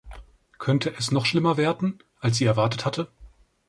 Könnte es noch schlimmer werden, als sie erwartet hatte?